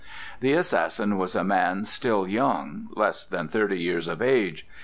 The assassin was a man still young, less than thirty years of age.